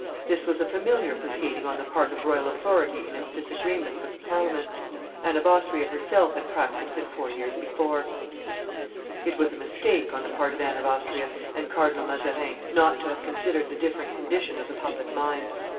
This was a familiar proceeding on the part of royal authority in its disagreements with the Parliament. Anne of Austria herself had practised it four years before. [Illustration: Arrest of Broussel 352] It was a mistake on the part of Anne of Austria and Cardinal Mazarin not to have considered the different condition of the public mind.